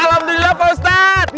alhamdulillah pak ustadz